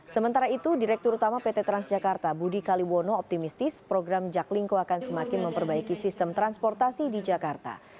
sementara itu direktur utama pt transjakarta budi kaliwono optimistis program jaklingko akan semakin memperbaiki sistem transportasi di jakarta